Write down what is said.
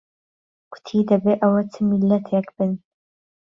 کوتی دهبی ئهوه چ میللهتێکبن